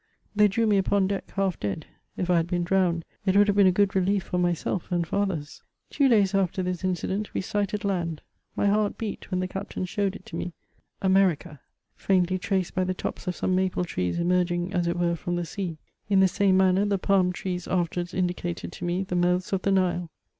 They drew me upon deck half dead : if I had been drowned it would have been a good relief for myself and for others ! Two days after this accident we sighted land. My heart beat when the captain showed it to me ; America ! faintly traced by the tops of some maple trees emerging, as it were, from the sea. In the same manner the palm trees afterwards indicated to me the mouths of the Nile.